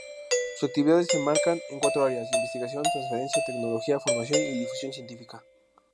Sus actividades se enmarcan en cuatro áreas: investigación, transferencia tecnológica, formación y difusión científica.